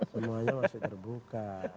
semuanya masih terbuka